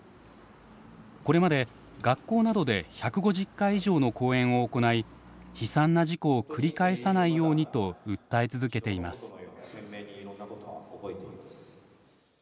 これまで学校などで１５０回以上の講演を行い悲惨な事故を繰り返さないようにと訴え続けています。